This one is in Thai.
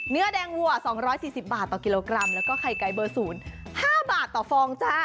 เนื้อแดงวัว๒๔๐บาทต่อกิโลกรัมแล้วก็ไข่ไก่เบอร์๐๕บาทต่อฟองจ้า